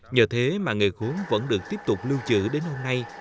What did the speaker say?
nhờ thế mà người gốm vẫn được tiếp tục lưu trữ đến hôm nay